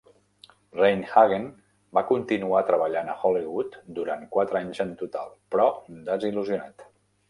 Rein-Hagen va continuar treballant a Hollywood durant quatre anys en total, però desil·lusionat.